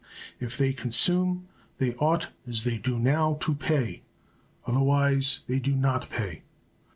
If they consume, they ought, as they now do, to pay; otherwise they do not pay.